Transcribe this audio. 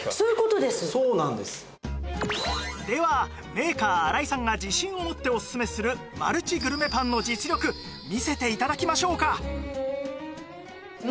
ではメーカー荒井さんが自信を持ってオススメするマルチグルメパンの実力見せて頂きましょうか！